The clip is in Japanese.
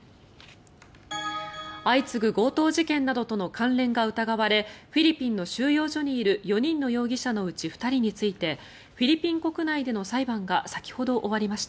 相次ぐ強盗事件などとの関連が疑われフィリピンの収容所にいる４人の容疑者のうち２人についてフィリピン国内での裁判が先ほど終わりました。